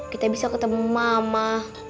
kita bisa ketemu mama